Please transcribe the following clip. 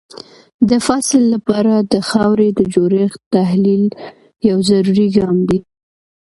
د فصل لپاره د خاورې د جوړښت تحلیل یو ضروري ګام دی.